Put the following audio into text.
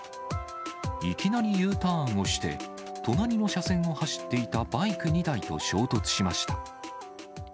いきなりＵターンをして、隣の車線を走っていたバイク２台と衝突しました。